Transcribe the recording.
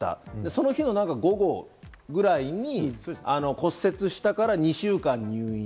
その日の午後ぐらいに骨折したから２週間入院。